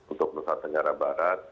untuk nusantara barat